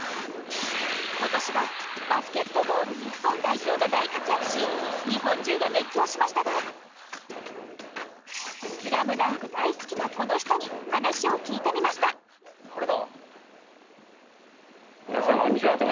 今年は、バスケットボール日本代表が大活躍し日本中が熱狂しましたが『スラムダンク』大好きなこの人に話を聞いてみました宮田：誰だ？